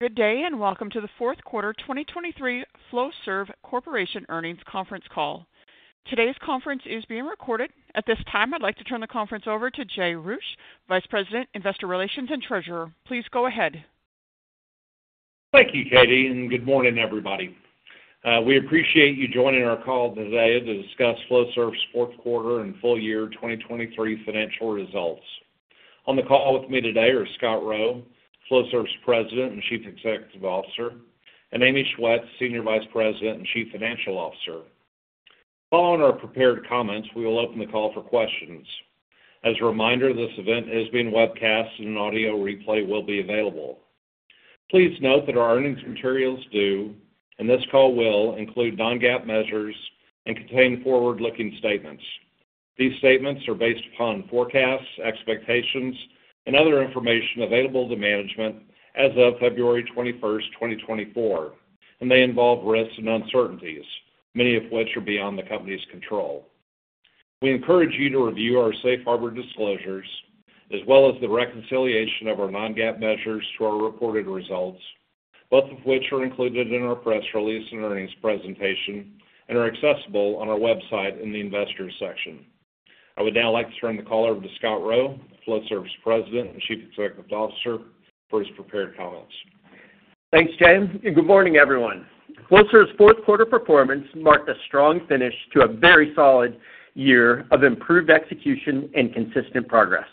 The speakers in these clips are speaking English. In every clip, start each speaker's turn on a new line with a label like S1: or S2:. S1: Good day and welcome to the Fourth Quarter 2023 Flowserve Corporation Earnings Conference Call. Today's conference is being recorded. At this time, I'd like to turn the conference over to Jay Roueche, Vice President, Investor Relations and Treasurer. Please go ahead.
S2: Thank you, Katie, and good morning, everybody. We appreciate you joining our call today to discuss Flowserve's fourth quarter and full Year 2023 financial results. On the call with me today are Scott Rowe, Flowserve's President and Chief Executive Officer, and Amy Schwetz, Senior Vice President and Chief Financial Officer. Following our prepared comments, we will open the call for questions. As a reminder, this event is being webcast and an audio replay will be available. Please note that our earnings materials do, and this call will, include non-GAAP measures and contain forward-looking statements. These statements are based upon forecasts, expectations, and other information available to management as of February 21st, 2024, and they involve risks and uncertainties, many of which are beyond the company's control. We encourage you to review our safe harbor disclosures as well as the reconciliation of our non-GAAP measures to our reported results, both of which are included in our press release and earnings presentation and are accessible on our website in the Investors section. I would now like to turn the call over to Scott Rowe, Flowserve's President and Chief Executive Officer, for his prepared comments.
S3: Thanks, Jay, and good morning, everyone. Flowserve's fourth quarter performance marked a strong finish to a very solid year of improved execution and consistent progress.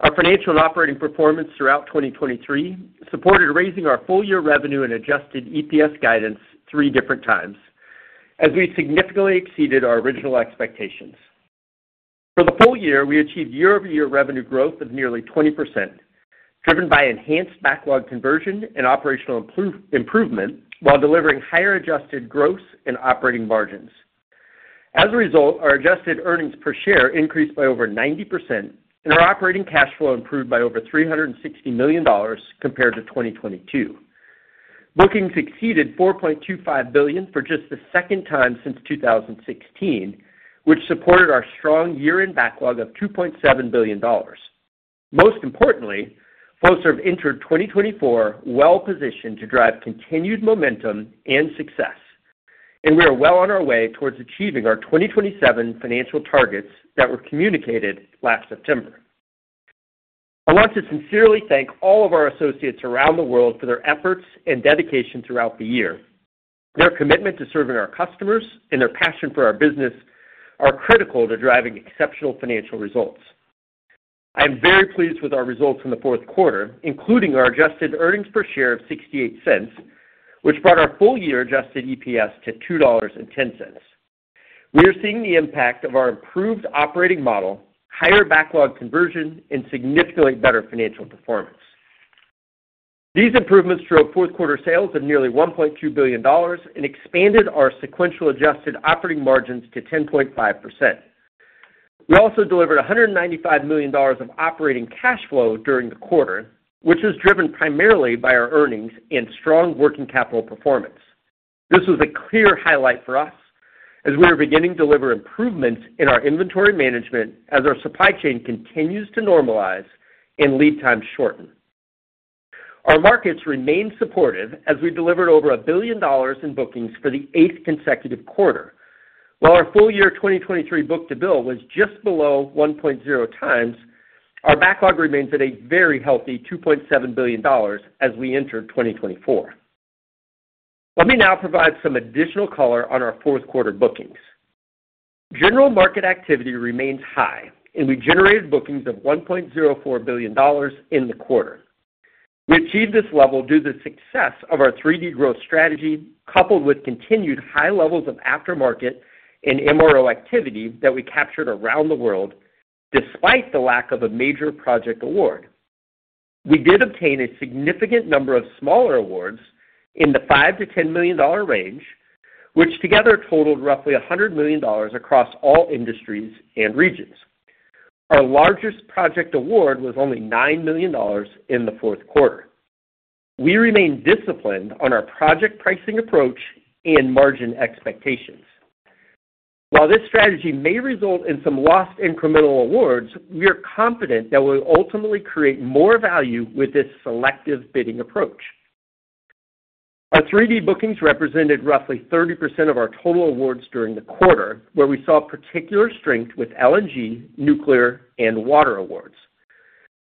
S3: Our financial and operating performance throughout 2023 supported raising our full year revenue and adjusted EPS guidance three different times, as we significantly exceeded our original expectations. For the full year, we achieved year-over-year revenue growth of nearly 20%, driven by enhanced backlog conversion and operational improvement while delivering higher adjusted gross and operating margins. As a result, our adjusted earnings per share increased by over 90%, and our operating cash flow improved by over $360 million compared to 2022. Bookings exceeded $4.25 billion for just the second time since 2016, which supported our strong year-end backlog of $2.7 billion. Most importantly, Flowserve entered 2024 well-positioned to drive continued momentum and success, and we are well on our way towards achieving our 2027 financial targets that were communicated last September. I want to sincerely thank all of our associates around the world for their efforts and dedication throughout the year. Their commitment to serving our customers and their passion for our business are critical to driving exceptional financial results. I am very pleased with our results in the fourth quarter, including our adjusted earnings per share of $0.68, which brought our full year adjusted EPS to $2.10. We are seeing the impact of our improved operating model, higher backlog conversion, and significantly better financial performance. These improvements drove fourth quarter sales of nearly $1.2 billion and expanded our sequential adjusted operating margins to 10.5%. We also delivered $195 million of operating cash flow during the quarter, which was driven primarily by our earnings and strong working capital performance. This was a clear highlight for us as we were beginning to deliver improvements in our inventory management as our supply chain continues to normalize and lead times shorten. Our markets remained supportive as we delivered over $1 billion in bookings for the eighth consecutive quarter. While our full year 2023 book-to-bill was just below 1.0x, our backlog remains at a very healthy $2.7 billion as we entered 2024. Let me now provide some additional color on our fourth quarter bookings. General market activity remains high, and we generated bookings of $1.04 billion in the quarter. We achieved this level due to the success of our 3D growth strategy coupled with continued high levels of aftermarket and MRO activity that we captured around the world despite the lack of a major project award. We did obtain a significant number of smaller awards in the $5-$10 million range, which together totaled roughly $100 million across all industries and regions. Our largest project award was only $9 million in the fourth quarter. We remain disciplined on our project pricing approach and margin expectations. While this strategy may result in some lost incremental awards, we are confident that we will ultimately create more value with this selective bidding approach. Our 3D bookings represented roughly 30% of our total awards during the quarter, where we saw particular strength with LNG, nuclear, and water awards.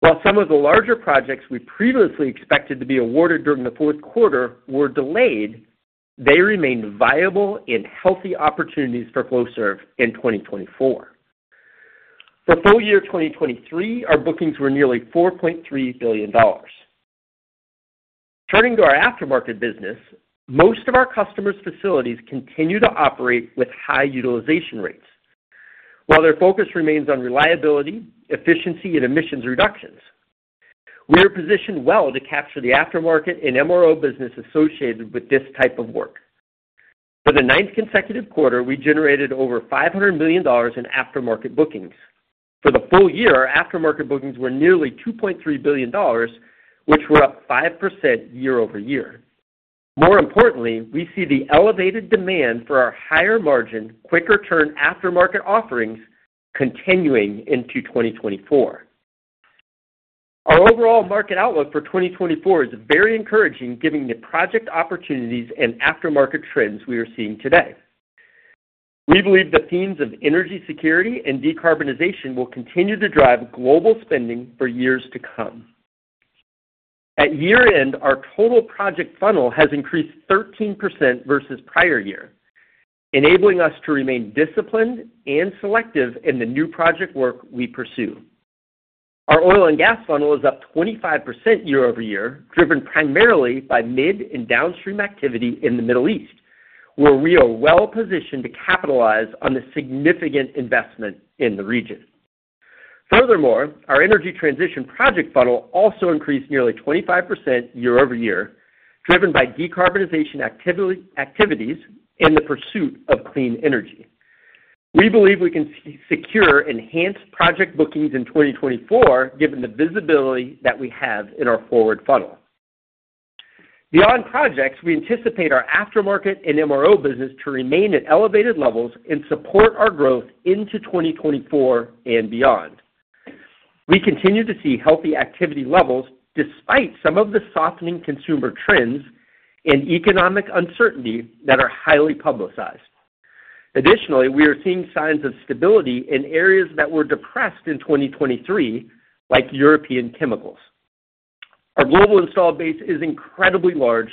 S3: While some of the larger projects we previously expected to be awarded during the fourth quarter were delayed, they remained viable and healthy opportunities for Flowserve in 2024. For full year 2023, our bookings were nearly $4.3 billion. Turning to our aftermarket business, most of our customers' facilities continue to operate with high utilization rates, while their focus remains on reliability, efficiency, and emissions reductions. We are positioned well to capture the aftermarket and MRO business associated with this type of work. For the ninth consecutive quarter, we generated over $500 million in aftermarket bookings. For the full year, our aftermarket bookings were nearly $2.3 billion, which were up 5% year-over-year. More importantly, we see the elevated demand for our higher margin, quicker-turn aftermarket offerings continuing into 2024. Our overall market outlook for 2024 is very encouraging, given the project opportunities and aftermarket trends we are seeing today. We believe the themes of energy security and decarbonization will continue to drive global spending for years to come. At year-end, our total project funnel has increased 13% versus prior year, enabling us to remain disciplined and selective in the new project work we pursue. Our oil and gas funnel is up 25% year-over-year, driven primarily by mid and downstream activity in the Middle East, where we are well-positioned to capitalize on the significant investment in the region. Furthermore, our energy transition project funnel also increased nearly 25% year-over-year, driven by decarbonization activities and the pursuit of clean energy. We believe we can secure enhanced project bookings in 2024, given the visibility that we have in our forward funnel. Beyond projects, we anticipate our aftermarket and MRO business to remain at elevated levels and support our growth into 2024 and beyond. We continue to see healthy activity levels despite some of the softening consumer trends and economic uncertainty that are highly publicized. Additionally, we are seeing signs of stability in areas that were depressed in 2023, like European chemicals. Our global installed base is incredibly large,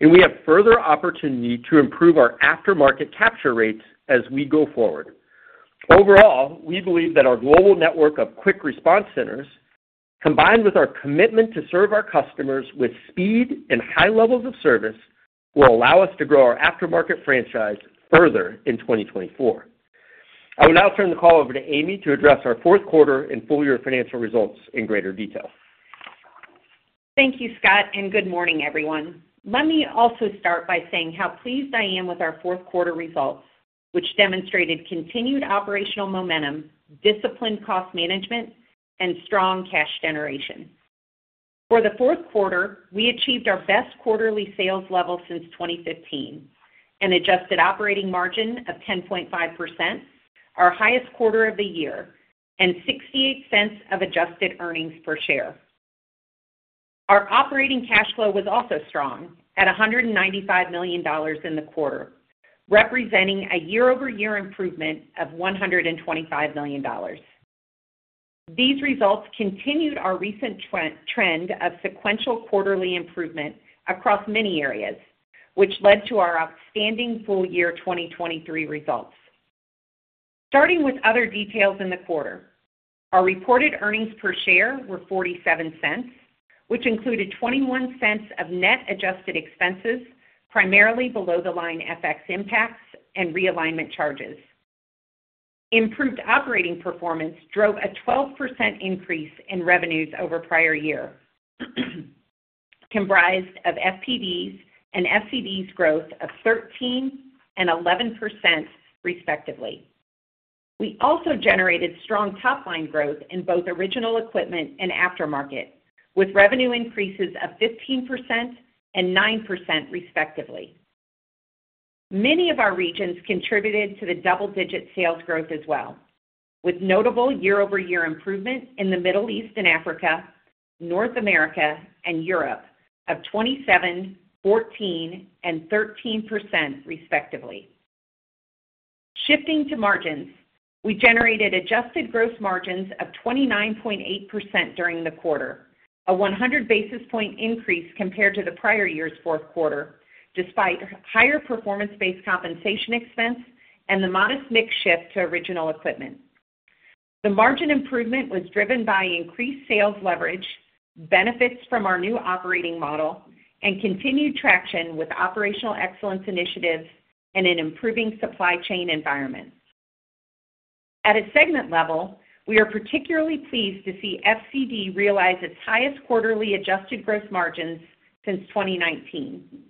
S3: and we have further opportunity to improve our aftermarket capture rates as we go forward. Overall, we believe that our global network of Quick Response Centers, combined with our commitment to serve our customers with speed and high levels of service, will allow us to grow our aftermarket franchise further in 2024. I will now turn the call over to Amy to address our fourth quarter and full year financial results in greater detail.
S4: Thank you, Scott, and good morning, everyone. Let me also start by saying how pleased I am with our fourth quarter results, which demonstrated continued operational momentum, disciplined cost management, and strong cash generation. For the fourth quarter, we achieved our best quarterly sales level since 2015, an adjusted operating margin of 10.5%, our highest quarter of the year, and $0.68 of adjusted earnings per share. Our operating cash flow was also strong at $195 million in the quarter, representing a year-over-year improvement of $125 million. These results continued our recent trend of sequential quarterly improvement across many areas, which led to our outstanding full year 2023 results. Starting with other details in the quarter, our reported earnings per share were $0.47, which included $0.21 of net adjusted expenses, primarily below the line FX impacts and realignment charges. Improved operating performance drove a 12% increase in revenues over prior year, comprised of FPD and FCD growth of 13 and 11%, respectively. We also generated strong top-line growth in both original equipment and aftermarket, with revenue increases of 15% and 9%, respectively. Many of our regions contributed to the double-digit sales growth as well, with notable year-over-year improvement in the Middle East and Africa, North America, and Europe of 27%, 14%, and 13%, respectively. Shifting to margins, we generated adjusted gross margins of 29.8% during the quarter, a 100 basis point increase compared to the prior year's fourth quarter, despite higher performance-based compensation expense and the modest mix shift to original equipment. The margin improvement was driven by increased sales leverage, benefits from our new operating model, and continued traction with operational excellence initiatives and an improving supply chain environment. At a segment level, we are particularly pleased to see FCD realize its highest quarterly adjusted gross margins since 2019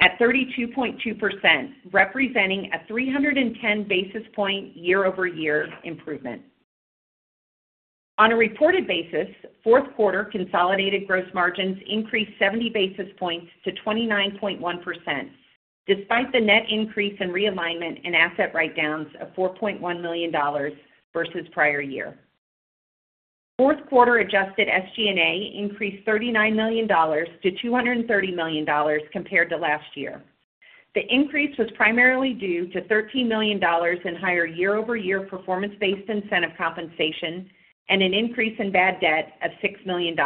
S4: at 32.2%, representing a 310 basis point year-over-year improvement. On a reported basis, fourth quarter consolidated gross margins increased 70 basis points to 29.1%, despite the net increase in realignment and asset write-downs of $4.1 million versus prior year. Fourth quarter adjusted SG&A increased $39 million to $230 million compared to last year. The increase was primarily due to $13 million in higher year-over-year performance-based incentive compensation and an increase in bad debt of $6 million,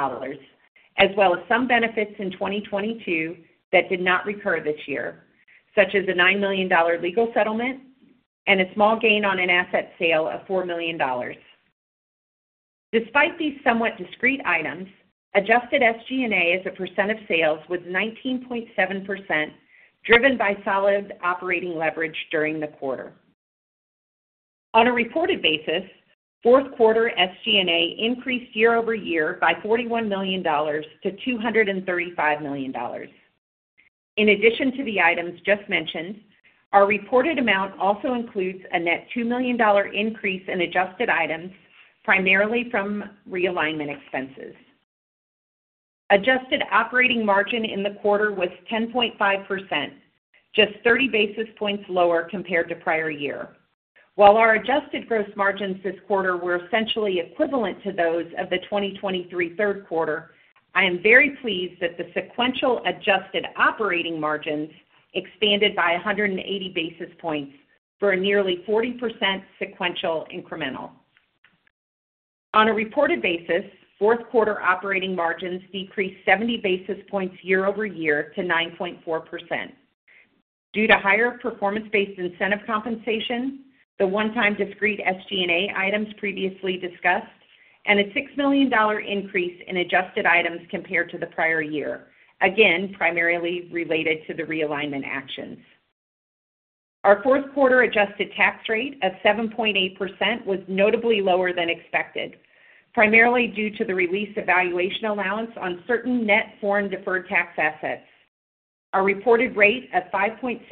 S4: as well as some benefits in 2022 that did not recur this year, such as a $9 million legal settlement and a small gain on an asset sale of $4 million. Despite these somewhat discrete items, adjusted SG&A as a percent of sales was 19.7%, driven by solid operating leverage during the quarter. On a reported basis, fourth quarter SG&A increased year-over-year by $41 million to $235 million. In addition to the items just mentioned, our reported amount also includes a net $2 million increase in adjusted items, primarily from realignment expenses. Adjusted operating margin in the quarter was 10.5%, just 30 basis points lower compared to prior year. While our adjusted gross margins this quarter were essentially equivalent to those of the 2023 third quarter, I am very pleased that the sequential adjusted operating margins expanded by 180 basis points for a nearly 40% sequential incremental. On a reported basis, fourth quarter operating margins decreased 70 basis points year-over-year to 9.4%. Due to higher performance-based incentive compensation, the one-time discrete SG&A items previously discussed, and a $6 million increase in adjusted items compared to the prior year, again primarily related to the realignment actions. Our fourth quarter adjusted tax rate of 7.8% was notably lower than expected, primarily due to the release valuation allowance on certain net foreign deferred tax assets. Our reported rate of 5.6%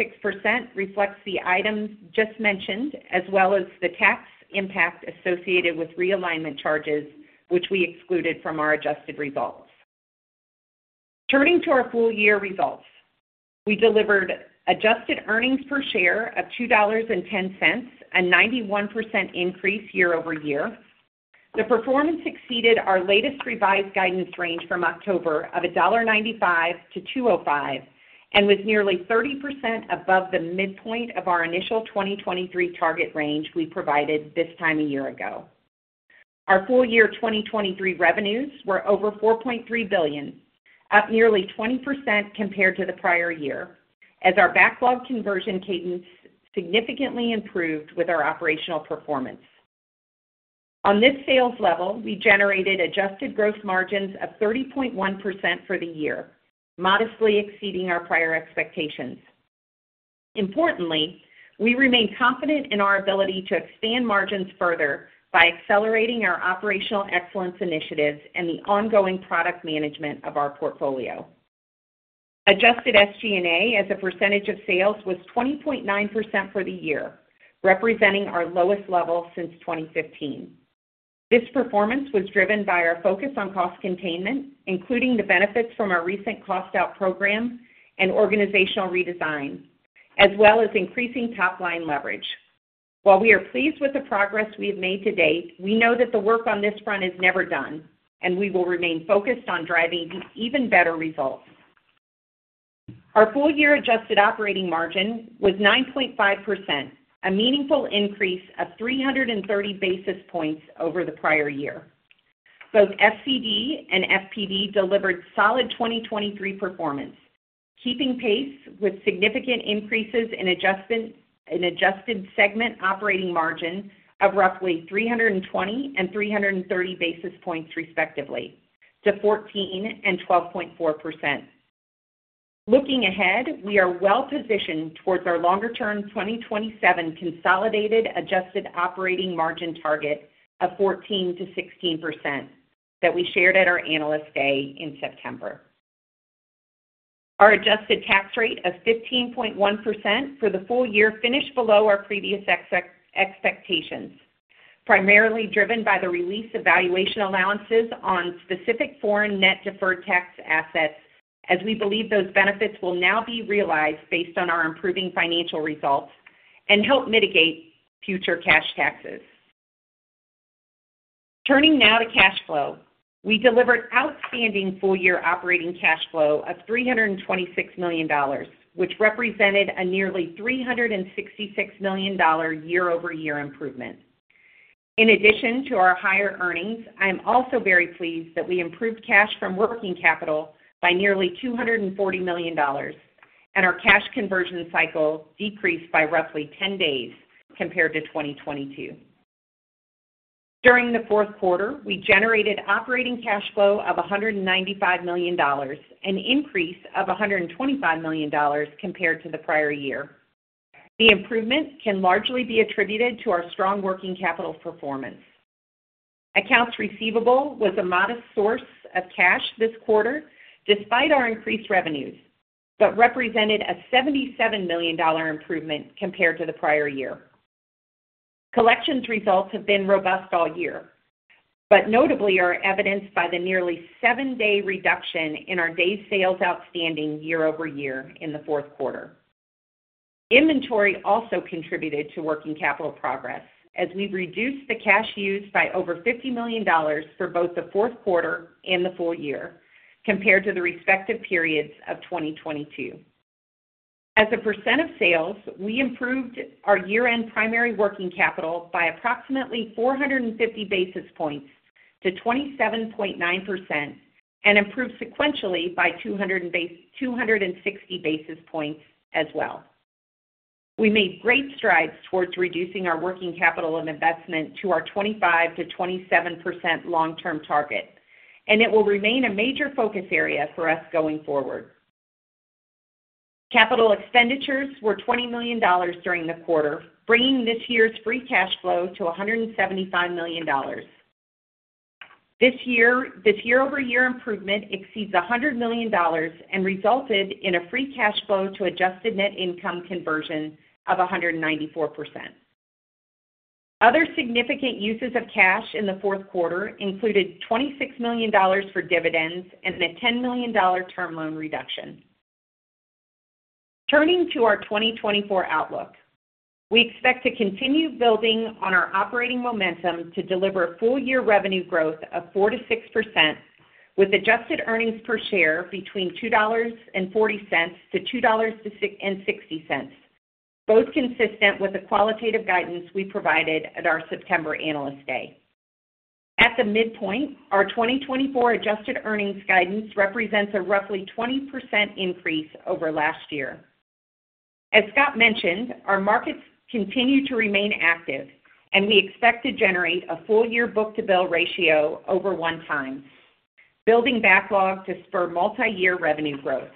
S4: reflects the items just mentioned, as well as the tax impact associated with realignment charges, which we excluded from our adjusted results. Turning to our full year results, we delivered adjusted earnings per share of $2.10, a 91% increase year-over-year. The performance exceeded our latest revised guidance range from October of $1.95-$2.05 and was nearly 30% above the midpoint of our initial 2023 target range we provided this time a year ago. Our full year 2023 revenues were over $4.3 billion, up nearly 20% compared to the prior year, as our backlog conversion cadence significantly improved with our operational performance. On this sales level, we generated adjusted gross margins of 30.1% for the year, modestly exceeding our prior expectations. Importantly, we remain confident in our ability to expand margins further by accelerating our operational excellence initiatives and the ongoing product management of our portfolio. Adjusted SG&A as a percentage of sales was 20.9% for the year, representing our lowest level since 2015. This performance was driven by our focus on cost containment, including the benefits from our recent cost-out program and organizational redesign, as well as increasing top-line leverage. While we are pleased with the progress we have made to date, we know that the work on this front is never done, and we will remain focused on driving even better results. Our full year adjusted operating margin was 9.5%, a meaningful increase of 330 basis points over the prior year. Both FCD and FPD delivered solid 2023 performance, keeping pace with significant increases in adjusted segment operating margin of roughly 320 and 330 basis points, respectively, to 14% and 12.4%. Looking ahead, we are well-positioned towards our longer-term 2027 consolidated adjusted operating margin target of 14%-16% that we shared at our Analyst Day in September. Our adjusted tax rate of 15.1% for the full year finished below our previous expectations, primarily driven by the release of valuation allowances on specific foreign net deferred tax assets, as we believe those benefits will now be realized based on our improving financial results and help mitigate future cash taxes. Turning now to cash flow, we delivered outstanding full year operating cash flow of $326 million, which represented a nearly $366 million year-over-year improvement. In addition to our higher earnings, I am also very pleased that we improved cash from working capital by nearly $240 million, and our cash conversion cycle decreased by roughly 10 days compared to 2022. During the fourth quarter, we generated operating cash flow of $195 million, an increase of $125 million compared to the prior year. The improvement can largely be attributed to our strong working capital performance. Accounts receivable was a modest source of cash this quarter, despite our increased revenues, but represented a $77 million improvement compared to the prior year. Collections results have been robust all year, but notably are evidenced by the nearly seven-day reduction in our days sales outstanding year-over-year in the fourth quarter. Inventory also contributed to working capital progress, as we've reduced the cash used by over $50 million for both the fourth quarter and the full year compared to the respective periods of 2022. As a percent of sales, we improved our year-end primary working capital by approximately 450 basis points to 27.9% and improved sequentially by 260 basis points as well. We made great strides towards reducing our working capital and investment to our 25%-27% long-term target, and it will remain a major focus area for us going forward. Capital expenditures were $20 million during the quarter, bringing this year's free cash flow to $175 million. This year-over-year improvement exceeds $100 million and resulted in a free cash flow to adjusted net income conversion of 194%. Other significant uses of cash in the fourth quarter included $26 million for dividends and a $10 million term loan reduction. Turning to our 2024 outlook, we expect to continue building on our operating momentum to deliver full-year revenue growth of 4%-6% with adjusted earnings per share between $2.40-$2.60, both consistent with the qualitative guidance we provided at our September analyst day. At the midpoint, our 2024 adjusted earnings guidance represents a roughly 20% increase over last year. As Scott mentioned, our markets continue to remain active, and we expect to generate a full-year book-to-bill ratio over 1x, building backlog to spur multi-year revenue growth.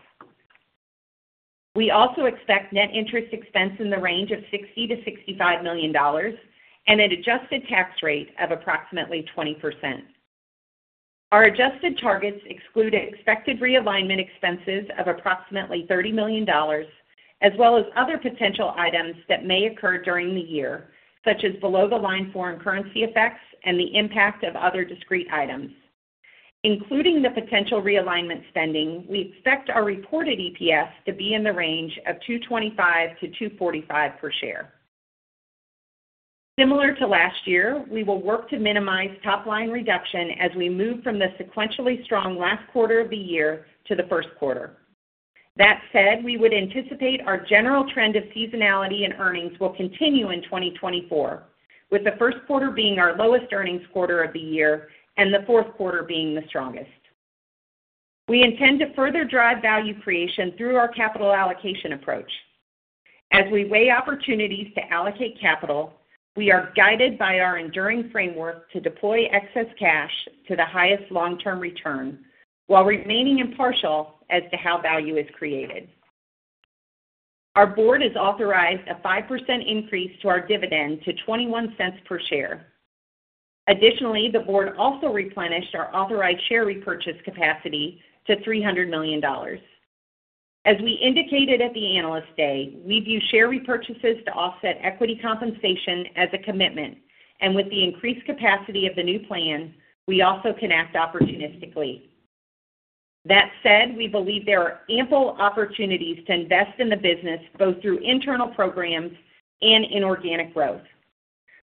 S4: We also expect net interest expense in the range of $60-$65 million and an adjusted tax rate of approximately 20%. Our adjusted targets exclude expected realignment expenses of approximately $30 million, as well as other potential items that may occur during the year, such as below-the-line foreign currency effects and the impact of other discrete items. Including the potential realignment spending, we expect our reported EPS to be in the range of 225-245 per share. Similar to last year, we will work to minimize top-line reduction as we move from the sequentially strong last quarter of the year to the first quarter. That said, we would anticipate our general trend of seasonality in earnings will continue in 2024, with the first quarter being our lowest earnings quarter of the year and the fourth quarter being the strongest. We intend to further drive value creation through our capital allocation approach. As we weigh opportunities to allocate capital, we are guided by our enduring framework to deploy excess cash to the highest long-term return while remaining impartial as to how value is created. Our board has authorized a 5% increase to our dividend to $0.21 per share. Additionally, the board also replenished our authorized share repurchase capacity to $300 million. As we indicated at the Analyst Day, we view share repurchases to offset equity compensation as a commitment, and with the increased capacity of the new plan, we also can act opportunistically. That said, we believe there are ample opportunities to invest in the business both through internal programs and in organic growth.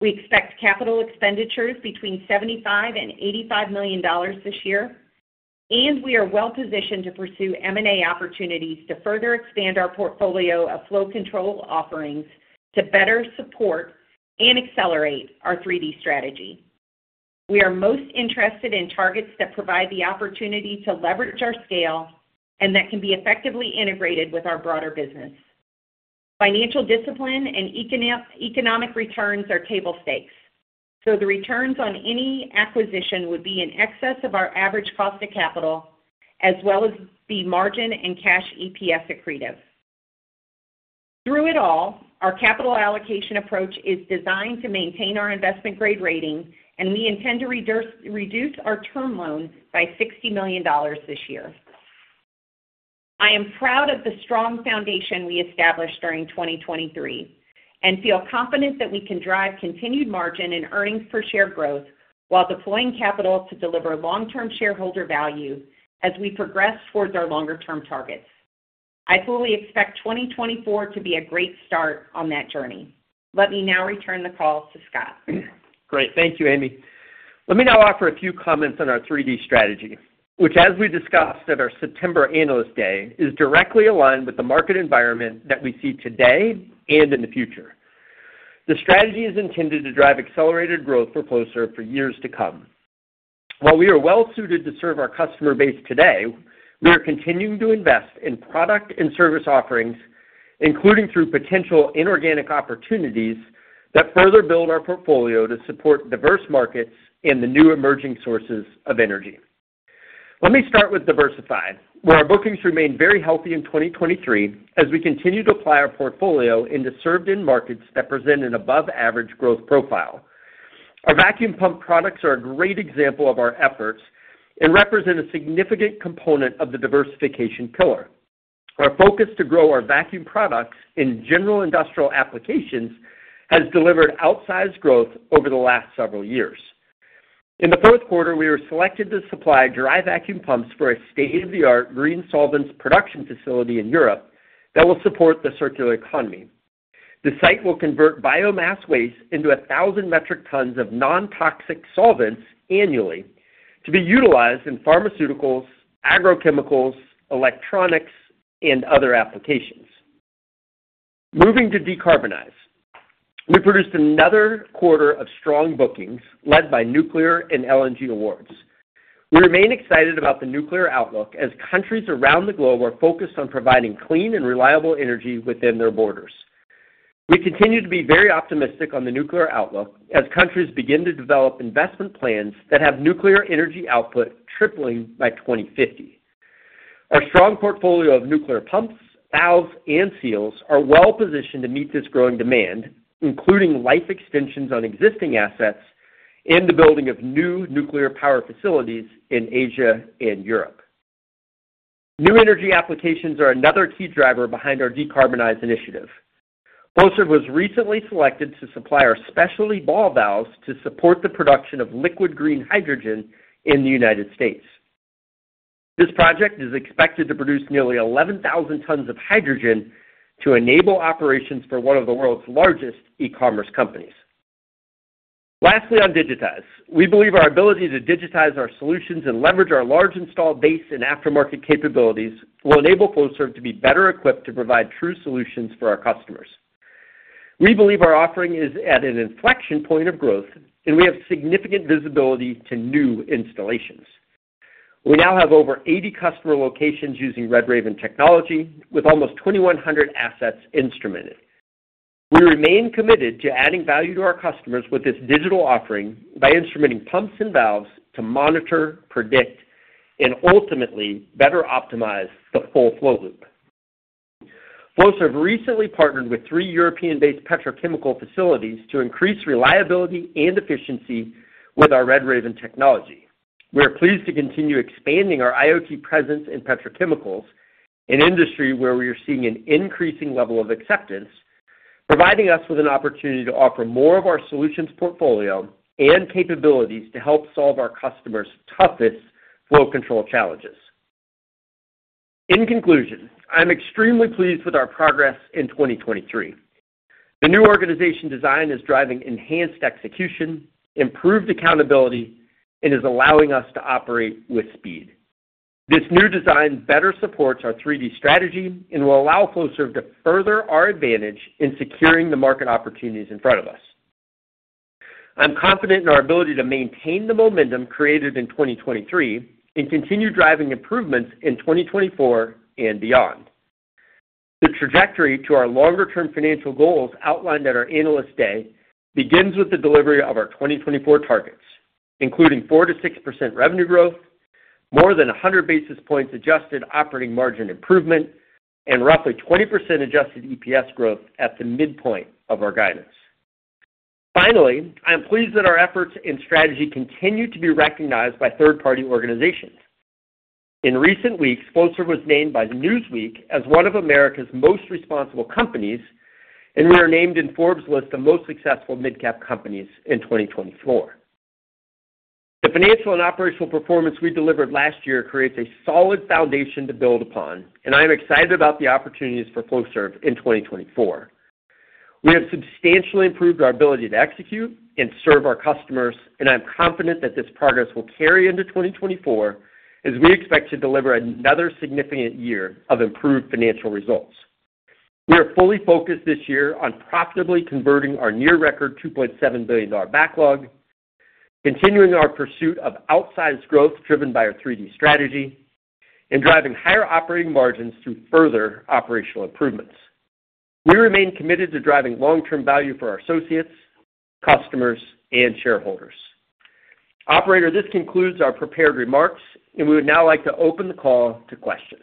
S4: We expect capital expenditures between $75-$85 million this year, and we are well-positioned to pursue M&A opportunities to further expand our portfolio of flow control offerings to better support and accelerate our 3D Strategy. We are most interested in targets that provide the opportunity to leverage our scale and that can be effectively integrated with our broader business. Financial discipline and economic returns are table stakes, so the returns on any acquisition would be in excess of our average cost of capital, as well as the margin and cash EPS accretive. Through it all, our capital allocation approach is designed to maintain our investment-grade rating, and we intend to reduce our term loan by $60 million this year. I am proud of the strong foundation we established during 2023 and feel confident that we can drive continued margin and earnings per share growth while deploying capital to deliver long-term shareholder value as we progress towards our longer-term targets. I fully expect 2024 to be a great start on that journey. Let me now return the call to Scott.
S3: Great. Thank you, Amy. Let me now offer a few comments on our 3D Strategy, which, as we discussed at our September Analyst Day, is directly aligned with the market environment that we see today and in the future. The strategy is intended to drive accelerated growth for Flowserve for years to come. While we are well-suited to serve our customer base today, we are continuing to invest in product and service offerings, including through potential inorganic opportunities that further build our portfolio to support diverse markets and the new emerging sources of energy. Let me start with diversify, where our bookings remain very healthy in 2023 as we continue to apply our portfolio into served-in markets that present an above-average growth profile. Our vacuum pump products are a great example of our efforts and represent a significant component of the diversification pillar. Our focus to grow our vacuum products in general industrial applications has delivered outsized growth over the last several years. In the fourth quarter, we were selected to supply dry vacuum pumps for a state-of-the-art green solvents production facility in Europe that will support the circular economy. The site will convert biomass waste into 1,000 metric tons of non-toxic solvents annually to be utilized in pharmaceuticals, agrochemicals, electronics, and other applications. Moving to decarbonize, we produced another quarter of strong bookings led by nuclear and LNG awards. We remain excited about the nuclear outlook as countries around the globe are focused on providing clean and reliable energy within their borders. We continue to be very optimistic on the nuclear outlook as countries begin to develop investment plans that have nuclear energy output tripling by 2050. Our strong portfolio of nuclear pumps, valves, and seals are well-positioned to meet this growing demand, including life extensions on existing assets and the building of new nuclear power facilities in Asia and Europe. New energy applications are another key driver behind our decarbonize initiative. Flowserve was recently selected to supply our specialty ball valves to support the production of liquid green hydrogen in the United States. This project is expected to produce nearly 11,000 tons of hydrogen to enable operations for one of the world's largest e-commerce companies. Lastly, on digitize, we believe our ability to digitize our solutions and leverage our large install base and aftermarket capabilities will enable Flowserve to be better equipped to provide true solutions for our customers. We believe our offering is at an inflection point of growth, and we have significant visibility to new installations. We now have over 80 customer locations using RedRaven technology with almost 2,100 assets instrumented. We remain committed to adding value to our customers with this digital offering by instrumenting pumps and valves to monitor, predict, and ultimately better optimize the full flow loop. Flowserve recently partnered with three European-based petrochemical facilities to increase reliability and efficiency with our RedRaven technology. We are pleased to continue expanding our IoT presence in petrochemicals, an industry where we are seeing an increasing level of acceptance, providing us with an opportunity to offer more of our solutions portfolio and capabilities to help solve our customers' toughest flow control challenges. In conclusion, I'm extremely pleased with our progress in 2023. The new organization design is driving enhanced execution, improved accountability, and is allowing us to operate with speed. This new design better supports our 3D Strategy and will allow Flowserve to further our advantage in securing the market opportunities in front of us. I'm confident in our ability to maintain the momentum created in 2023 and continue driving improvements in 2024 and beyond. The trajectory to our longer-term financial goals outlined at our Analyst Day begins with the delivery of our 2024 targets, including 4%-6% revenue growth, more than 100 basis points adjusted operating margin improvement, and roughly 20% adjusted EPS growth at the midpoint of our guidance. Finally, I am pleased that our efforts and strategy continue to be recognized by third-party organizations. In recent weeks, Flowserve was named by Newsweek as one of America's most responsible companies, and we are named in Forbes' list of most successful mid-cap companies in 2024. The financial and operational performance we delivered last year creates a solid foundation to build upon, and I am excited about the opportunities for Flowserve in 2024. We have substantially improved our ability to execute and serve our customers, and I'm confident that this progress will carry into 2024 as we expect to deliver another significant year of improved financial results. We are fully focused this year on profitably converting our near-record $2.7 billion backlog, continuing our pursuit of outsized growth driven by our 3D strategy, and driving higher operating margins through further operational improvements. We remain committed to driving long-term value for our associates, customers, and shareholders. Operator, this concludes our prepared remarks, and we would now like to open the call to questions.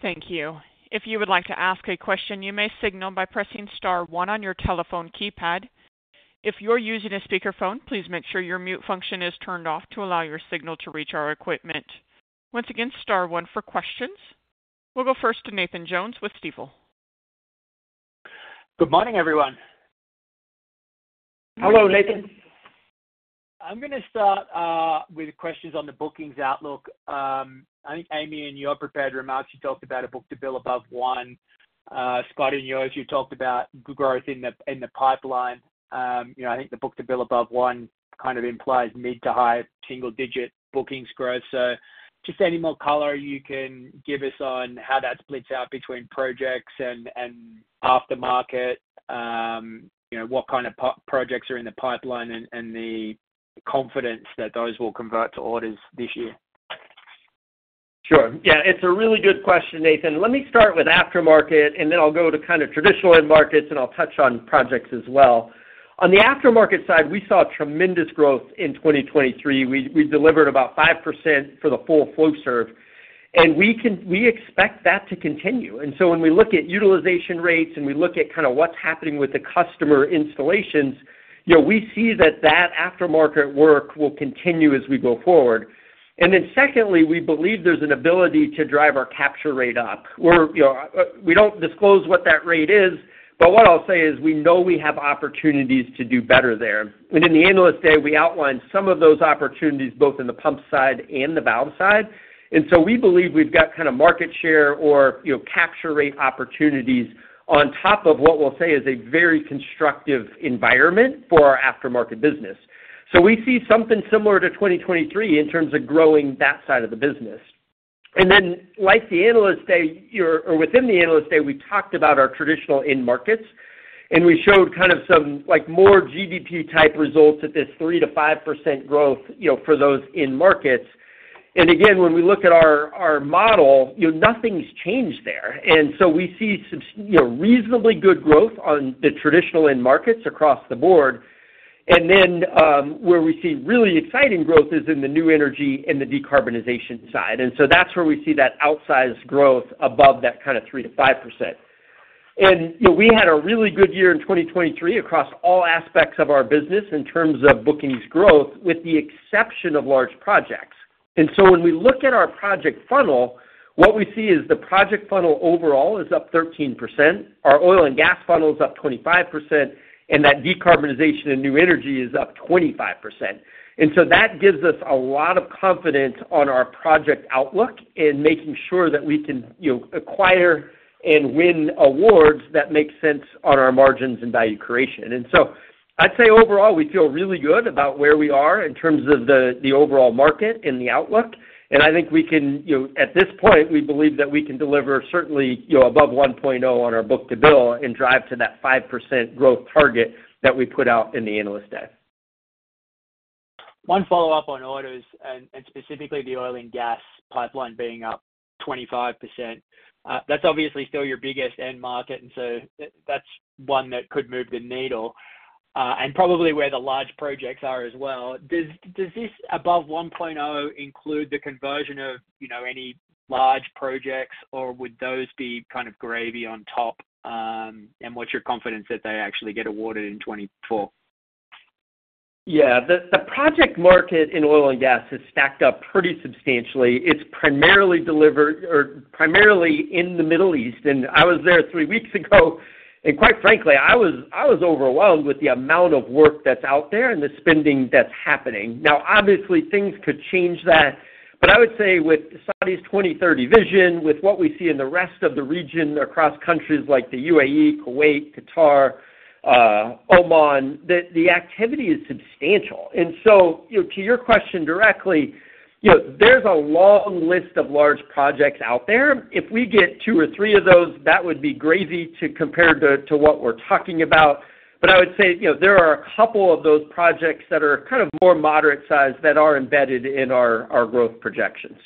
S1: Thank you. If you would like to ask a question, you may signal by pressing star one on your telephone keypad. If you're using a speakerphone, please make sure your mute function is turned off to allow your signal to reach our equipment. Once again, star one for questions. We'll go first to Nathan Jones with Stifel.
S5: Good morning, everyone.
S3: Hello, Nathan.
S5: I'm going to start with questions on the bookings outlook. I think, Amy, in your prepared remarks, you talked about a book-to-bill above one. Scott, in yours, you talked about growth in the pipeline. I think the book-to-bill above one kind of implies mid to high single-digit bookings growth. So just any more color you can give us on how that splits out between projects and aftermarket, what kind of projects are in the pipeline, and the confidence that those will convert to orders this year.
S3: Sure. Yeah, it's a really good question, Nathan. Let me start with aftermarket, and then I'll go to kind of traditional end markets, and I'll touch on projects as well. On the aftermarket side, we saw tremendous growth in 2023. We delivered about 5% for the full Flowserve, and we expect that to continue. And so when we look at utilization rates and we look at kind of what's happening with the customer installations, we see that that aftermarket work will continue as we go forward. And then secondly, we believe there's an ability to drive our capture rate up. We don't disclose what that rate is, but what I'll say is we know we have opportunities to do better there. And in the Analyst Day, we outlined some of those opportunities both in the pump side and the valve side. And so we believe we've got kind of market share or capture rate opportunities on top of what we'll say is a very constructive environment for our aftermarket business. So we see something similar to 2023 in terms of growing that side of the business. And then, like the analyst day or within the Analyst Day, we talked about our traditional end markets, and we showed kind of some more GDP-type results at this 3%-5% growth for those end markets. And again, when we look at our model, nothing's changed there. And so we see reasonably good growth on the traditional end markets across the board. And then where we see really exciting growth is in the new energy and the decarbonization side. And so that's where we see that outsized growth above that kind of 3%-5%. We had a really good year in 2023 across all aspects of our business in terms of bookings growth, with the exception of large projects. So when we look at our project funnel, what we see is the project funnel overall is up 13%. Our oil and gas funnel is up 25%, and that decarbonization and new energy is up 25%. So that gives us a lot of confidence on our project outlook in making sure that we can acquire and win awards that make sense on our margins and value creation. So I'd say overall, we feel really good about where we are in terms of the overall market and the outlook. I think we can at this point, we believe that we can deliver certainly above 1.0 on our book-to-bill and drive to that 5% growth target that we put out in the Analyst Day.
S5: One follow-up on orders, and specifically the oil and gas pipeline being up 25%. That's obviously still your biggest end market, and so that's one that could move the needle and probably where the large projects are as well. Does this above 1.0 include the conversion of any large projects, or would those be kind of gravy on top? And what's your confidence that they actually get awarded in 2024?
S3: Yeah, the project market in oil and gas has stacked up pretty substantially. It's primarily delivered or primarily in the Middle East. I was there three weeks ago, and quite frankly, I was overwhelmed with the amount of work that's out there and the spending that's happening. Now, obviously, things could change that, but I would say with Saudi's 2030 vision, with what we see in the rest of the region across countries like the UAE, Kuwait, Qatar, Oman, the activity is substantial. And so to your question directly, there's a long list of large projects out there. If we get two or three of those, that would be gravy to compare to what we're talking about. But I would say there are a couple of those projects that are kind of more moderate-sized that are embedded in our growth projections.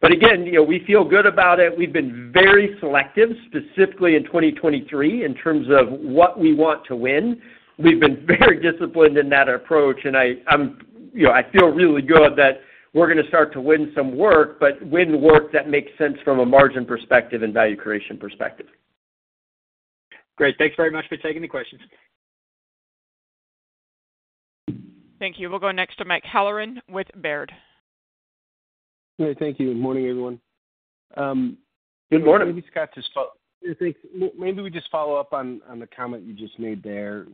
S3: But again, we feel good about it. We've been very selective, specifically in 2023, in terms of what we want to win. We've been very disciplined in that approach, and I feel really good that we're going to start to win some work, but win work that makes sense from a margin perspective and value creation perspective.
S5: Great. Thanks very much for taking the questions.
S1: Thank you. We'll go next to Mike Halloran with Baird.
S6: Great. Thank you. Good morning, everyone.
S3: Good morning.
S6: Maybe, Scott, just maybe we just follow up on the comment you just made there.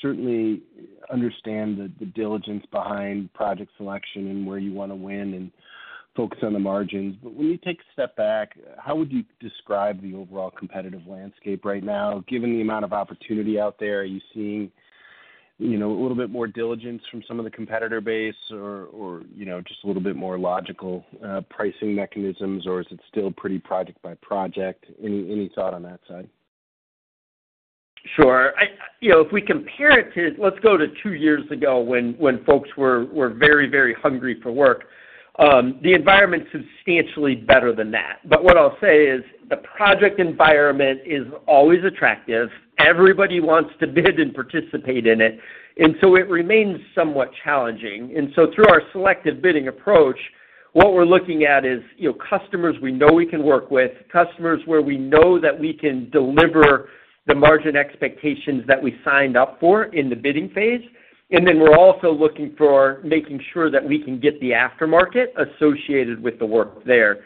S6: Certainly understand the diligence behind project selection and where you want to win and focus on the margins. But when you take a step back, how would you describe the overall competitive landscape right now? Given the amount of opportunity out there, are you seeing a little bit more diligence from some of the competitor base or just a little bit more logical pricing mechanisms, or is it still pretty project by project? Any thought on that side?
S3: Sure. If we compare it to, let's go to two years ago when folks were very, very hungry for work. The environment's substantially better than that. But what I'll say is the project environment is always attractive. Everybody wants to bid and participate in it, and so it remains somewhat challenging. And so through our selective bidding approach, what we're looking at is customers we know we can work with, customers where we know that we can deliver the margin expectations that we signed up for in the bidding phase. And then we're also looking for making sure that we can get the aftermarket associated with the work there.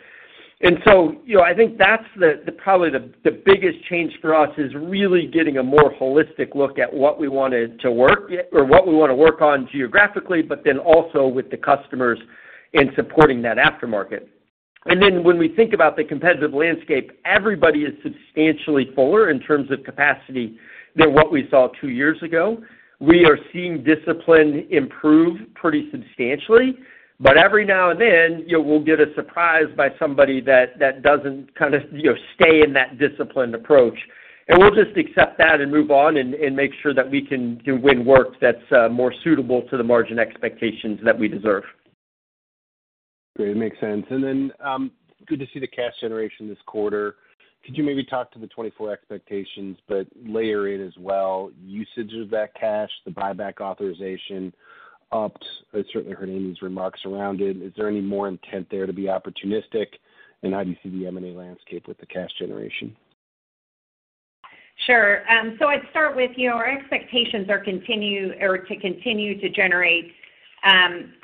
S3: And so I think that's probably the biggest change for us is really getting a more holistic look at what we want to work or what we want to work on geographically, but then also with the customers and supporting that aftermarket. And then when we think about the competitive landscape, everybody is substantially fuller in terms of capacity than what we saw two years ago. We are seeing discipline improve pretty substantially, but every now and then, we'll get a surprise by somebody that doesn't kind of stay in that disciplined approach. And we'll just accept that and move on and make sure that we can win work that's more suitable to the margin expectations that we deserve.
S6: Great. It makes sense. And then good to see the cash generation this quarter. Could you maybe talk to the 2024 expectations, but layer in as well usage of that cash, the buyback authorization? I've certainly heard Amy's remarks around it. Is there any more intent there to be opportunistic, and how do you see the M&A landscape with the cash generation?
S4: Sure. So I'd start with our expectations are to continue to generate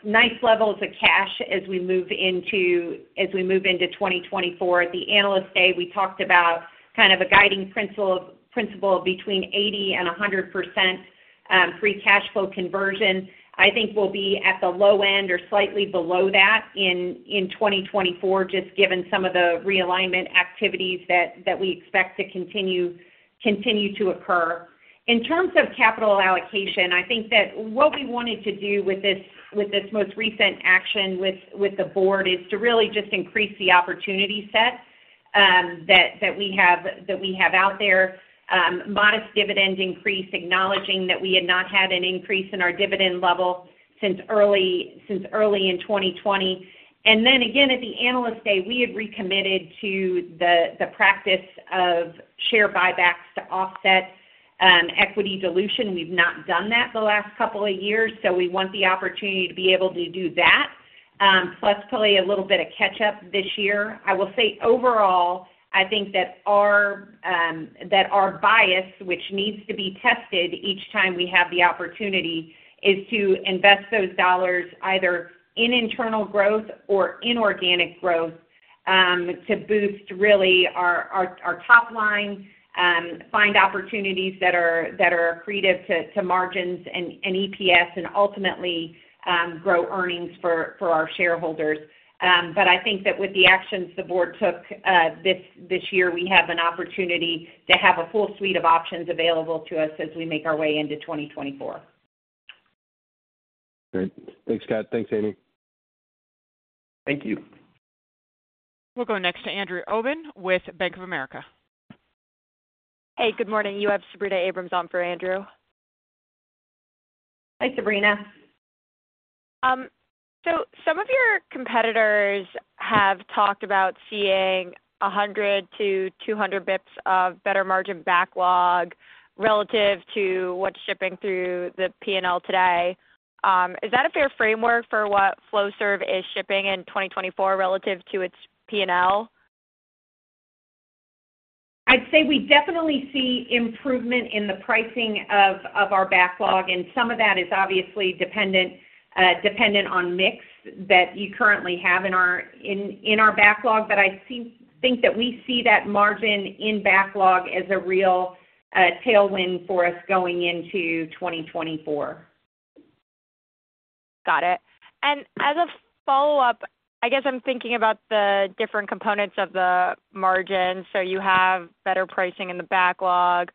S4: nice levels of cash as we move into as we move into 2024. At the Analyst Day, we talked about kind of a guiding principle between 80%-100% free cash flow conversion. I think we'll be at the low end or slightly below that in 2024, just given some of the realignment activities that we expect to continue to occur. In terms of capital allocation, I think that what we wanted to do with this most recent action with the board is to really just increase the opportunity set that we have out there, modest dividend increase, acknowledging that we had not had an increase in our dividend level since early in 2020. Then again, at the Analyst Day, we had recommitted to the practice of share buybacks to offset equity dilution. We've not done that the last couple of years, so we want the opportunity to be able to do that, plus probably a little bit of catch-up this year. I will say overall, I think that our bias, which needs to be tested each time we have the opportunity, is to invest those dollars either in internal growth or in organic growth to boost really our top line, find opportunities that are creative to margins and EPS, and ultimately grow earnings for our shareholders. But I think that with the actions the board took this year, we have an opportunity to have a full suite of options available to us as we make our way into 2024.
S6: Great. Thanks, Scott. Thanks, Amy.
S3: Thank you.
S1: We'll go next to Andrew Obin with Bank of America.
S7: Hey, good morning. You have Sabrina Abrams on for Andrew.
S4: Hi, Sabrina.
S7: So some of your competitors have talked about seeing 100-200 bips of better margin backlog relative to what's shipping through the P&L today. Is that a fair framework for what Flowserve is shipping in 2024 relative to its P&L?
S4: I'd say we definitely see improvement in the pricing of our backlog, and some of that is obviously dependent on mix that you currently have in our backlog. But I think that we see that margin in backlog as a real tailwind for us going into 2024.
S7: Got it. And as a follow-up, I guess I'm thinking about the different components of the margins. So you have better pricing in the backlog.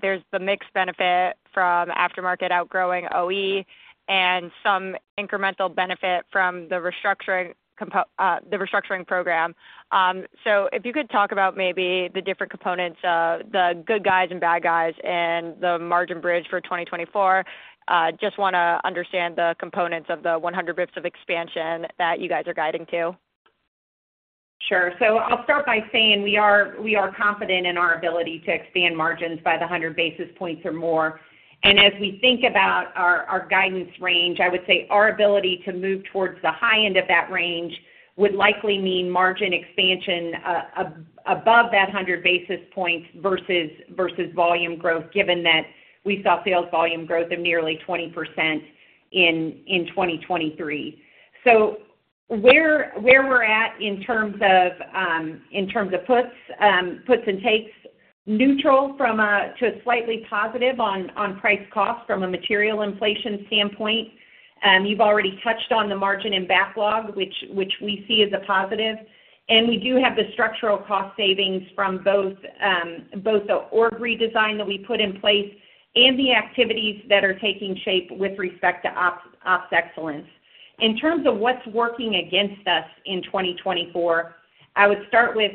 S7: There's the mixed benefit from aftermarket outgrowing OE and some incremental benefit from the restructuring program. So if you could talk about maybe the different components of the good guys and bad guys and the margin bridge for 2024, just want to understand the components of the 100 basis points of expansion that you guys are guiding to.
S4: Sure. So I'll start by saying we are confident in our ability to expand margins by the 100 basis points or more. And as we think about our guidance range, I would say our ability to move towards the high end of that range would likely mean margin expansion above that 100 basis points versus volume growth, given that we saw sales volume growth of nearly 20% in 2023. So where we're at in terms of puts and takes, neutral to slightly positive on price-cost from a material inflation standpoint. You've already touched on the margin and backlog, which we see as a positive. And we do have the structural cost savings from both the org redesign that we put in place and the activities that are taking shape with respect to ops excellence. In terms of what's working against us in 2024, I would start with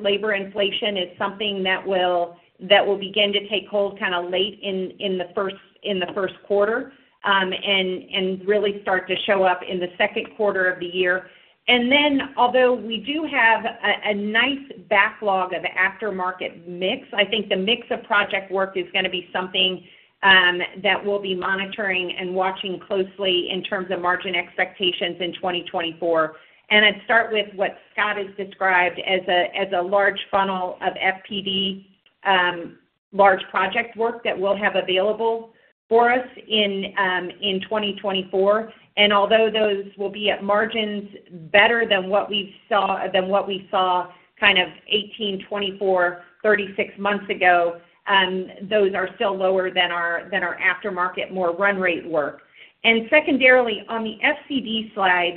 S4: labor inflation as something that will begin to take hold kind of late in the first quarter and really start to show up in the second quarter of the year. And then although we do have a nice backlog of aftermarket mix, I think the mix of project work is going to be something that we'll be monitoring and watching closely in terms of margin expectations in 2024. And I'd start with what Scott has described as a large funnel of FPD, large project work that we'll have available for us in 2024. And although those will be at margins better than what we saw kind of 2018, 2024, 36 months ago, those are still lower than our aftermarket more run-rate work. Secondarily, on the FCD slide,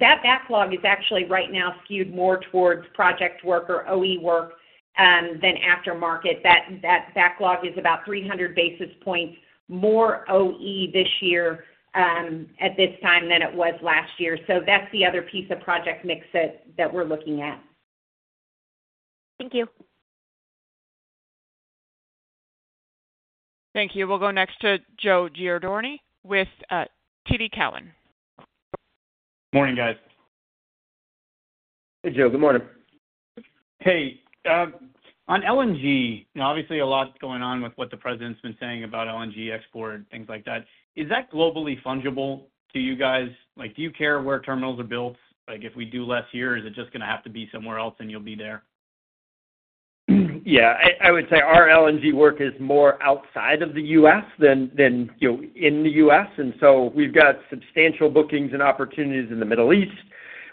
S4: that backlog is actually right now skewed more towards project work or OE work than aftermarket. That backlog is about 300 basis points more OE this year at this time than it was last year. So that's the other piece of project mix that we're looking at.
S7: Thank you.
S1: Thank you. We'll go next to Joe Giordano of TD Cowen
S8: Good morning, guys.
S3: Hey, Joe. Good morning.
S8: Hey. On LNG, obviously, a lot going on with what the president's been saying about LNG export and things like that. Is that globally fungible to you guys? Do you care where terminals are built? If we do less here, is it just going to have to be somewhere else and you'll be there?
S3: Yeah. I would say our LNG work is more outside of the U.S. than in the U.S. And so we've got substantial bookings and opportunities in the Middle East.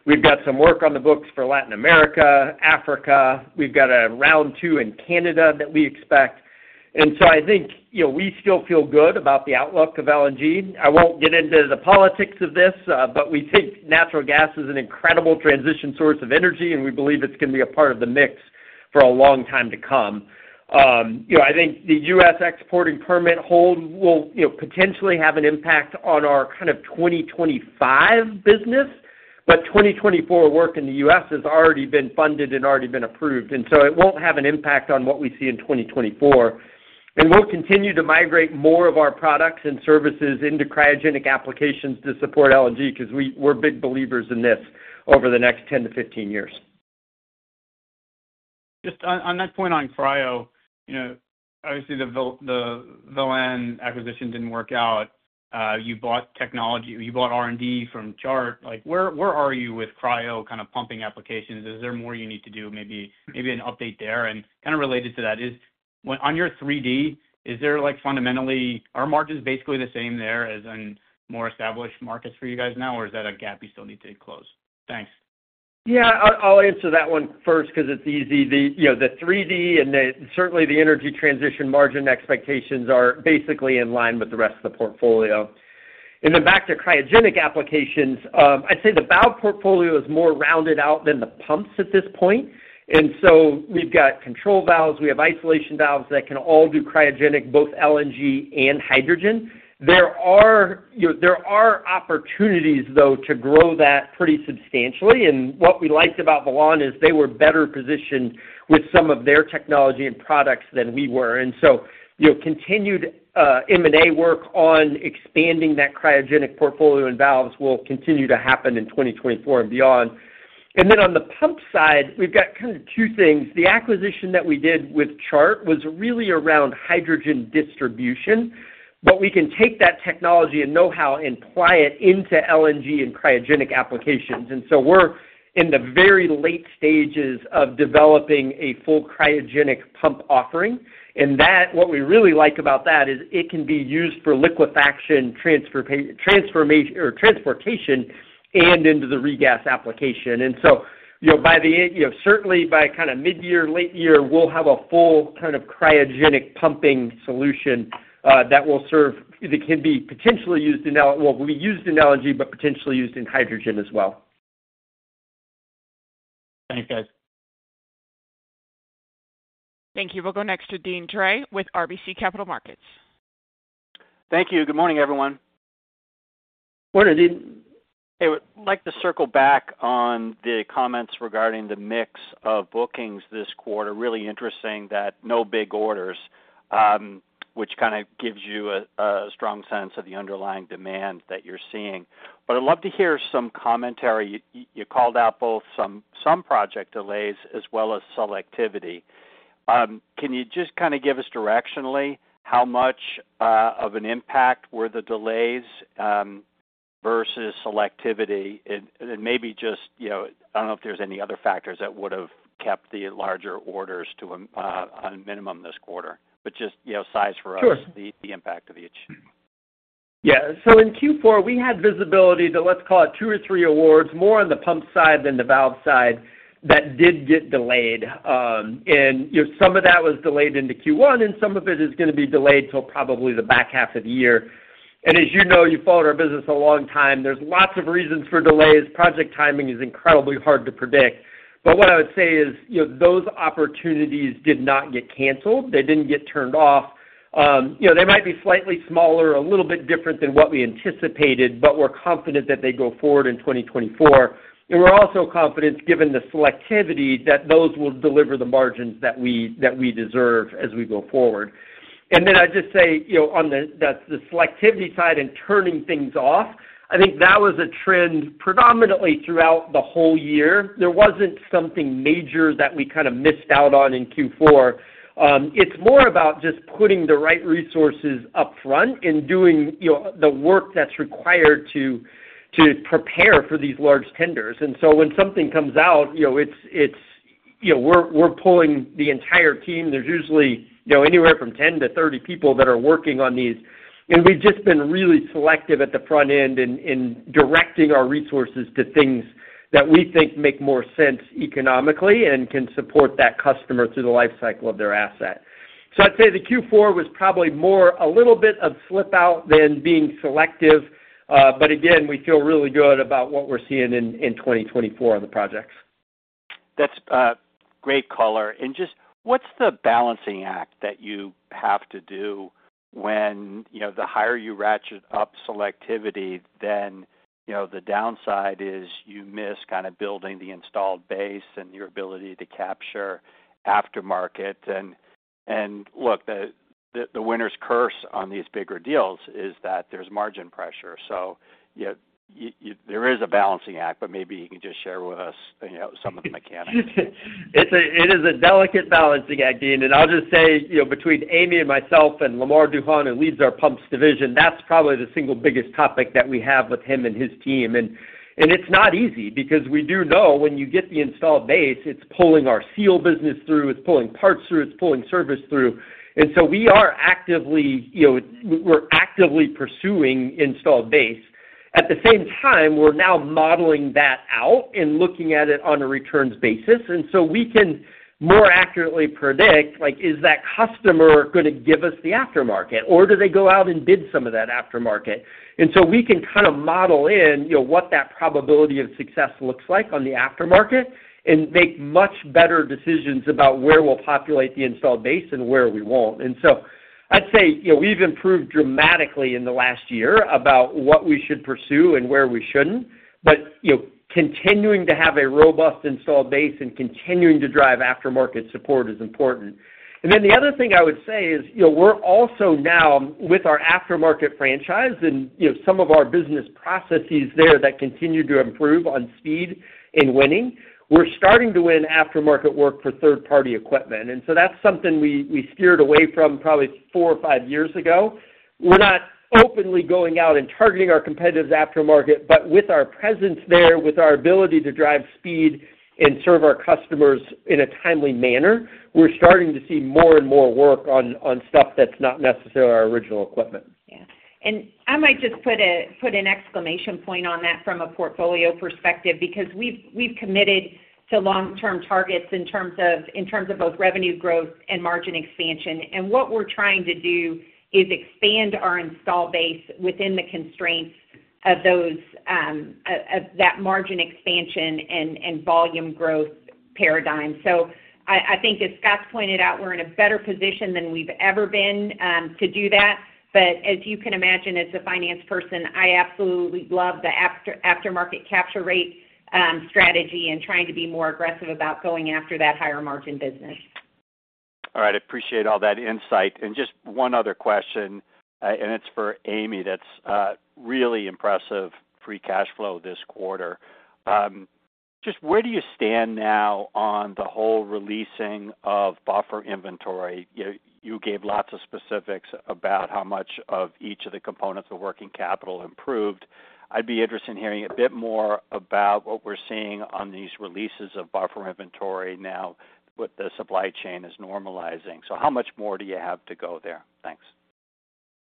S3: We've got some work on the books for Latin America, Africa. We've got a round two in Canada that we expect. And so I think we still feel good about the outlook of LNG. I won't get into the politics of this, but we think natural gas is an incredible transition source of energy, and we believe it's going to be a part of the mix for a long time to come. I think the U.S. exporting permit hold will potentially have an impact on our kind of 2025 business, but 2024 work in the U.S. has already been funded and already been approved, and so it won't have an impact on what we see in 2024. And we'll continue to migrate more of our products and services into cryogenic applications to support LNG because we're big believers in this over the next 10-15 years.
S8: Just on that point on cryo, obviously, the Velan acquisition didn't work out. You bought technology. You bought R&D from Chart. Where are you with cryo kind of pumping applications? Is there more you need to do, maybe an update there? And kind of related to that, on your 3D, is there fundamentally are margins basically the same there as in more established markets for you guys now, or is that a gap you still need to close? Thanks.
S3: Yeah. I'll answer that one first because it's easy. The 3D and certainly the energy transition margin expectations are basically in line with the rest of the portfolio. Then back to cryogenic applications, I'd say the valve portfolio is more rounded out than the pumps at this point. So we've got control valves. We have isolation valves that can all do cryogenic, both LNG and hydrogen. There are opportunities, though, to grow that pretty substantially. What we liked about Velan is they were better positioned with some of their technology and products than we were. So continued M&A work on expanding that cryogenic portfolio and valves will continue to happen in 2024 and beyond. Then on the pump side, we've got kind of two things. The acquisition that we did with Chart was really around hydrogen distribution, but we can take that technology and know-how and apply it into LNG and cryogenic applications. So we're in the very late stages of developing a full cryogenic pump offering. And what we really like about that is it can be used for liquefaction, transportation, and into the regas application. And so by the end certainly, by kind of mid-year, late year, we'll have a full kind of cryogenic pumping solution that can be potentially used in well, we'll be used in LNG but potentially used in hydrogen as well.
S8: Thanks, guys.
S1: Thank you. We'll go next to Deane Dray with RBC Capital Markets.
S9: Thank you. Good morning, everyone.
S3: Morning, Deane.
S9: Hey, I'd like to circle back on the comments regarding the mix of bookings this quarter. Really interesting that no big orders, which kind of gives you a strong sense of the underlying demand that you're seeing. But I'd love to hear some commentary. You called out both some project delays as well as selectivity. Can you just kind of give us directionally how much of an impact were the delays versus selectivity? And maybe just, I don't know, if there's any other factors that would have kept the larger orders to a minimum this quarter, but just size for us the impact of each.
S3: Sure. Yeah. So in Q4, we had visibility to, let's call it, two or three awards, more on the pump side than the valve side, that did get delayed. And some of that was delayed into Q1, and some of it is going to be delayed till probably the back half of the year. And as you know, you've followed our business a long time. There's lots of reasons for delays. Project timing is incredibly hard to predict. But what I would say is those opportunities did not get canceled. They didn't get turned off. They might be slightly smaller, a little bit different than what we anticipated, but we're confident that they go forward in 2024. We're also confident, given the selectivity, that those will deliver the margins that we deserve as we go forward. Then I'd just say on the selectivity side and turning things off, I think that was a trend predominantly throughout the whole year. There wasn't something major that we kind of missed out on in Q4. It's more about just putting the right resources upfront and doing the work that's required to prepare for these large tenders. So when something comes out, we're pulling the entire team. There's usually anywhere from 10-30 people that are working on these. And we've just been really selective at the front end in directing our resources to things that we think make more sense economically and can support that customer through the lifecycle of their asset. So I'd say the Q4 was probably more a little bit of slip-out than being selective. But again, we feel really good about what we're seeing in 2024 on the projects.
S9: That's a great color. And just what's the balancing act that you have to do when the higher you ratchet up selectivity, then the downside is you miss kind of building the installed base and your ability to capture aftermarket? And look, the winner's curse on these bigger deals is that there's margin pressure. So there is a balancing act, but maybe you can just share with us some of the mechanics.
S3: It is a delicate balancing act, Deane. And I'll just say between Amy and myself and Lamar Duhon who leads our pumps division, that's probably the single biggest topic that we have with him and his team. And it's not easy because we do know when you get the installed base, it's pulling our seal business through. It's pulling parts through. It's pulling service through. And so we are actively pursuing installed base. At the same time, we're now modeling that out and looking at it on a returns basis. And so we can more accurately predict, is that customer going to give us the aftermarket, or do they go out and bid some of that aftermarket? And so we can kind of model in what that probability of success looks like on the aftermarket and make much better decisions about where we'll populate the installed base and where we won't. And so I'd say we've improved dramatically in the last year about what we should pursue and where we shouldn't. But continuing to have a robust installed base and continuing to drive aftermarket support is important. And then the other thing I would say is we're also now, with our aftermarket franchise and some of our business processes there that continue to improve on speed and winning, we're starting to win aftermarket work for third-party equipment. And so that's something we steered away from probably four or five years ago. We're not openly going out and targeting our competitors' aftermarket, but with our presence there, with our ability to drive speed and serve our customers in a timely manner, we're starting to see more and more work on stuff that's not necessarily our original equipment.
S4: Yeah. And I might just put an exclamation point on that from a portfolio perspective because we've committed to long-term targets in terms of both revenue growth and margin expansion. And what we're trying to do is expand our installed base within the constraints of that margin expansion and volume growth paradigm. So I think, as Scott's pointed out, we're in a better position than we've ever been to do that. But as you can imagine, as a finance person, I absolutely love the aftermarket capture rate strategy and trying to be more aggressive about going after that higher-margin business.
S9: All right. I appreciate all that insight. And just one other question, and it's for Amy. That's really impressive free cash flow this quarter. Just where do you stand now on the whole releasing of buffer inventory? You gave lots of specifics about how much of each of the components of working capital improved. I'd be interested in hearing a bit more about what we're seeing on these releases of buffer inventory now with the supply chain as normalizing. So how much more do you have to go there? Thanks.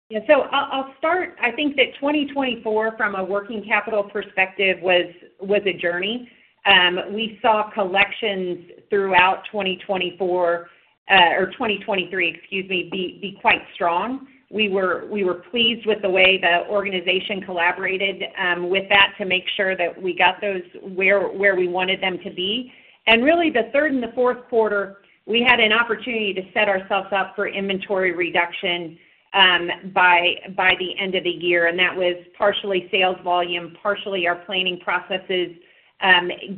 S4: Yeah. So I'll start. I think that 2024, from a working capital perspective, was a journey. We saw collections throughout 2024 or 2023, excuse me, be quite strong. We were pleased with the way the organization collaborated with that to make sure that we got those where we wanted them to be. Really, the third and the fourth quarter, we had an opportunity to set ourselves up for inventory reduction by the end of the year. And that was partially sales volume, partially our planning processes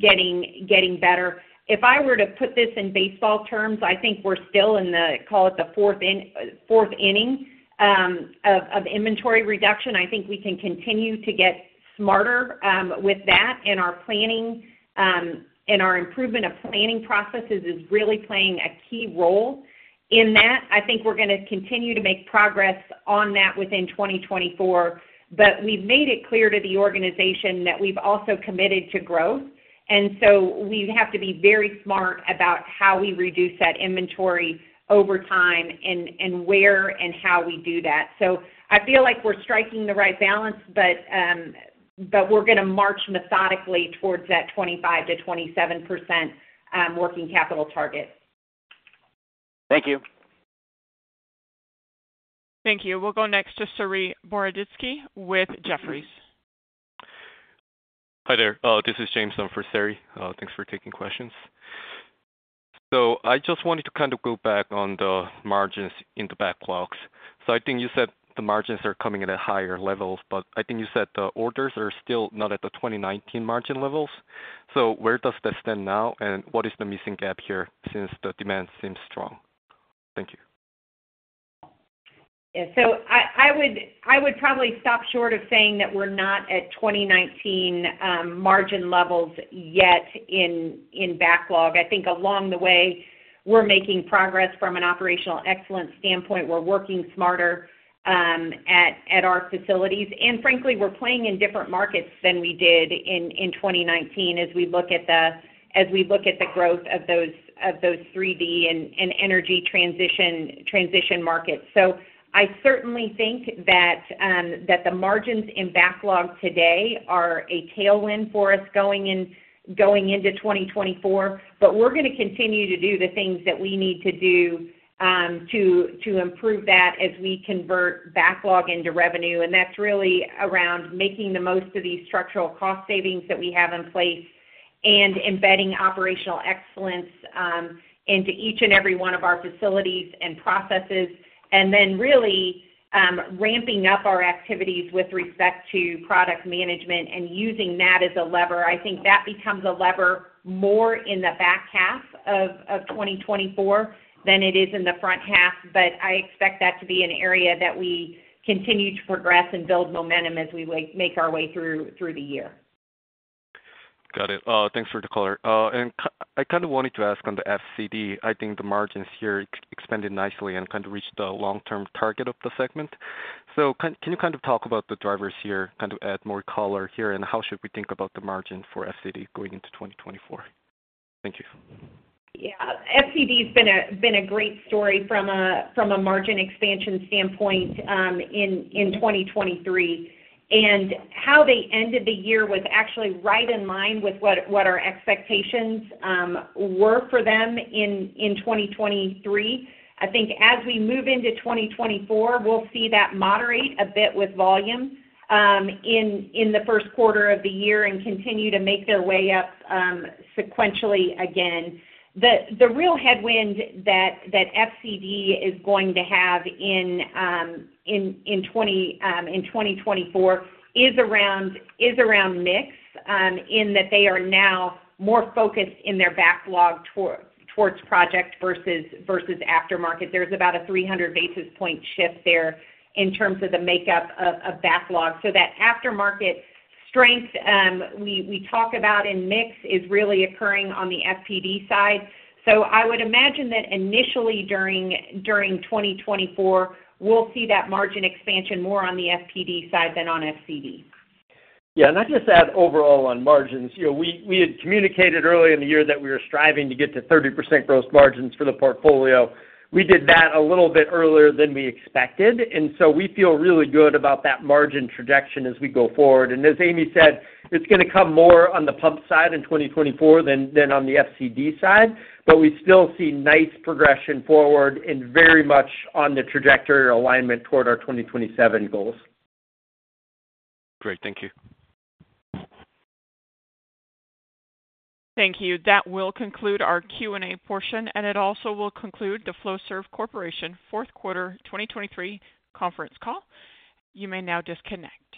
S4: getting better. If I were to put this in baseball terms, I think we're still in the, call it, the fourth inning of inventory reduction. I think we can continue to get smarter with that. Our planning and our improvement of planning processes is really playing a key role in that. I think we're going to continue to make progress on that within 2024. But we've made it clear to the organization that we've also committed to growth. So we have to be very smart about how we reduce that inventory over time and where and how we do that. So I feel like we're striking the right balance, but we're going to march methodically towards that 25%-27% working capital target.
S9: Thank you.
S1: Thank you. We'll go next to Saree Boroditzky with Jefferies.
S10: Hi there. This is James for Saree. Thanks for taking questions. So I just wanted to kind of go back on the margins in the backlogs. So I think you said the margins are coming at higher levels, but I think you said the orders are still not at the 2019 margin levels. So where does that stand now, and what is the missing gap here since the demand seems strong? Thank you.
S4: Yeah. So I would probably stop short of saying that we're not at 2019 margin levels yet in backlog. I think along the way, we're making progress from an operational excellence standpoint. We're working smarter at our facilities. And frankly, we're playing in different markets than we did in 2019 as we look at the growth of those 3D and energy transition markets. So I certainly think that the margins in backlog today are a tailwind for us going into 2024. But we're going to continue to do the things that we need to do to improve that as we convert backlog into revenue. And that's really around making the most of these structural cost savings that we have in place and embedding operational excellence into each and every one of our facilities and processes, and then really ramping up our activities with respect to product management and using that as a lever. I think that becomes a lever more in the back half of 2024 than it is in the front half. But I expect that to be an area that we continue to progress and build momentum as we make our way through the year.
S10: Got it. Thanks for the color. And I kind of wanted to ask on the FCD. I think the margins here expanded nicely and kind of reached the long-term target of the segment. So can you kind of talk about the drivers here, kind of add more color here, and how should we think about the margin for FCD going into 2024? Thank you.
S4: Yeah. FCD has been a great story from a margin expansion standpoint in 2023. And how they ended the year was actually right in line with what our expectations were for them in 2023. I think as we move into 2024, we'll see that moderate a bit with volume in the first quarter of the year and continue to make their way up sequentially again. The real headwind that FCD is going to have in 2024 is around mix in that they are now more focused in their backlog towards project versus aftermarket. There's about a 300 basis point shift there in terms of the makeup of backlog. So that aftermarket strength we talk about in mix is really occurring on the FPD side. So I would imagine that initially during 2024, we'll see that margin expansion more on the FPD side than on FCD.
S3: Yeah. And I'd just add overall on margins. We had communicated early in the year that we were striving to get to 30% gross margins for the portfolio. We did that a little bit earlier than we expected. And so we feel really good about that margin trajectory as we go forward. And as Amy said, it's going to come more on the pump side in 2024 than on the FCD side. But we still see nice progression forward and very much on the trajectory alignment toward our 2027 goals.
S10: Great. Thank you.
S1: Thank you. That will conclude our Q&A portion, and it also will conclude the Flowserve Corporation fourth quarter 2023 conference call. You may now disconnect.